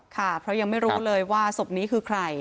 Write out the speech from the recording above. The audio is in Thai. ค่ะเพราะยังไม่รู้เลยว่าศพนี้คือใคร